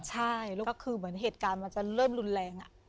ใช่แล้วก็คือเหมือนเหตุการณ์มันจะเริ่มรุนแรง